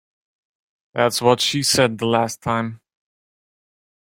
That's what she said the last time.